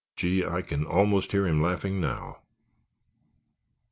Gee, I can almost hear him laughing now."